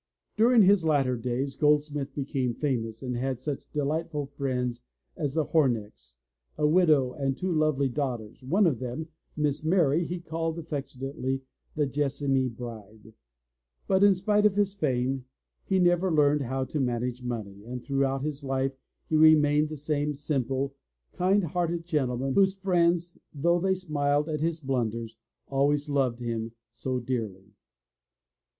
During his latter days Goldsmith became famous and had such delightful friends as the Homecks, a widow and two lovely daugh ters, one of whom. Miss Mary, he called affectionately, the Jes samy bride. But in spite of his fame, he never learned how to manage money, and throughout his life he remained the same simple, kind hearted gentleman whose friends, though they smiled at his blunders, always loved him so dearly.